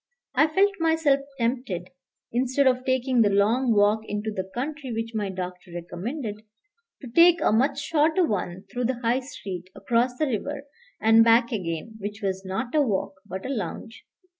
I felt myself tempted, instead of taking the long walk into the country which my doctor recommended, to take a much shorter one through the High Street, across the river, and back again, which was not a walk but a lounge.